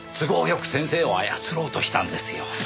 良く先生を操ろうとしたんですよ。